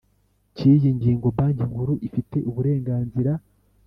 cyiyi ngingo Banki Nkuru ifite uburenganzira